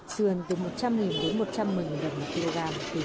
sườn từ một trăm linh đến một trăm một mươi đồng một kg